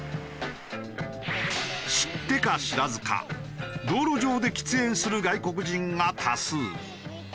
知ってか知らずか道路上で喫煙する外国人が多数。